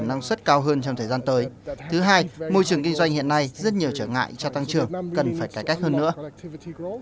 chính sách bảo lãnh tín dụng cho thấy khối doanh nghiệp này cũng được cho là còn nhiều bất cập